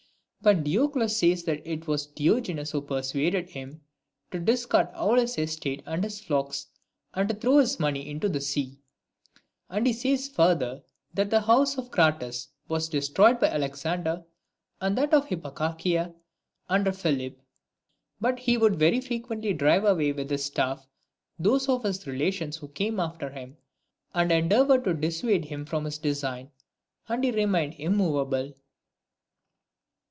But Diocles says that it was Diogenes who persuaded him to discard all his estate and his flocks, and to throw his money into the sea ; and he says further, that the house of Crates was destroyed by Alexander, and that of Hipparchia under Philip. And he would very frequently drive away with his staff those of his relations who came after him, and endeavoured to dissuade him from his design ; and he remained immoveable.